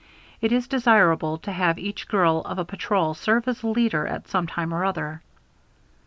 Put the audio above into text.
It is desirable to have each girl of a patrol serve as a leader at some time or other.